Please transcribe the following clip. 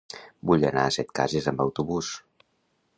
Vull anar a Setcases amb autobús.